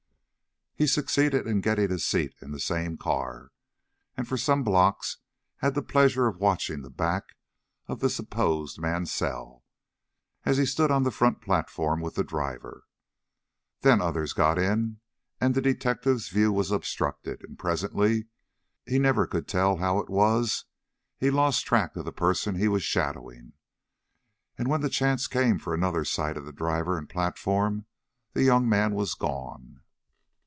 He succeeded in getting a seat in the same car, and for some blocks had the pleasure of watching the back of the supposed Mansell, as he stood on the front platform with the driver. Then others got in, and the detective's view was obstructed, and presently he never could tell how it was he lost track of the person he was shadowing, and when the chance came for another sight of the driver and platform, the young man was gone.